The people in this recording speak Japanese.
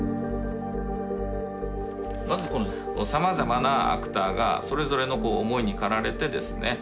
まずこのさまざまなアクターがそれぞれの思いに駆られてですね